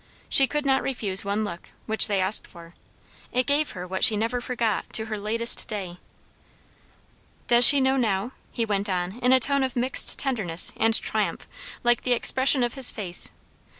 She could not refuse one look, which they asked for. It gave her what she never forgot to her latest day. "Does she know now?" he went on in a tone of mixed tenderness and triumph, like the expression of his face.